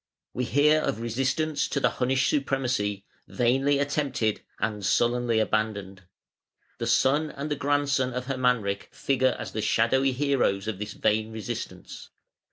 We hear of resistance to the Hunnish supremacy vainly attempted and sullenly abandoned. The son and the grandson of Hermanric figure as the shadowy heroes of this vain resistance.